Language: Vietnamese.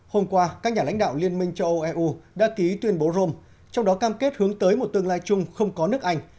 hôm qua các nhà lãnh đạo liên minh châu âu eu đã ký tuyên bố rome trong đó cam kết hướng tới một tương lai chung không có nước anh